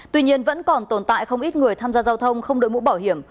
tuy nhiên vẫn còn tồn tại không ít người tham gia giao thông không đội mũ bảo hiểm